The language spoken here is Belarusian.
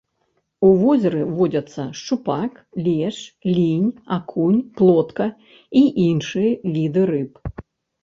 У возеры водзяцца шчупак, лешч, лінь, акунь, плотка і іншыя віды рыб.